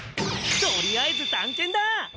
取りあえず探検だ！